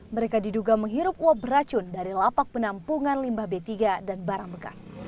mereka diduga menghirup uap beracun dari lapak penampungan limbah b tiga dan barang bekas